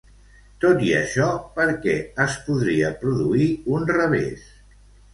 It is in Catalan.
Tot i això, per què es podria produir un revés?